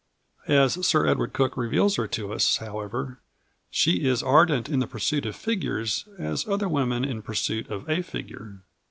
As Sir Edward Cook reveals her to us, however, she is ardent in the pursuit of figures as other women in pursuit of a figure.